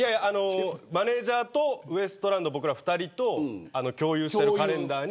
マネジャーとウエストランドの僕ら２人と共有しているカレンダーに。